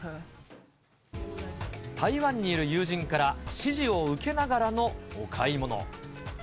台湾にいる友人から指示を受けながらのお買い物。